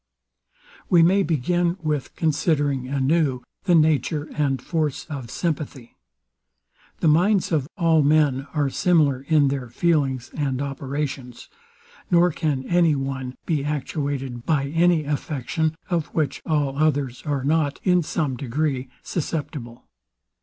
We may begin with considering a new the nature and force of sympathy. The minds of all men are similar in their feelings and operations; nor can any one be actuated by any affection, of which all others are not, in some degree, susceptible.